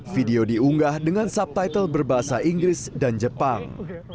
video diunggah dengan subtitle berbahasa inggris dan jepang